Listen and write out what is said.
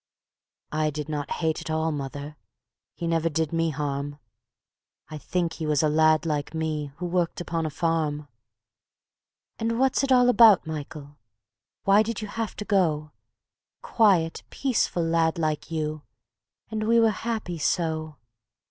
..." "I did not hate at all, mother; he never did me harm; I think he was a lad like me, who worked upon a farm. ..." "And what's it all about, Michael; why did you have to go, A quiet, peaceful lad like you, and we were happy so?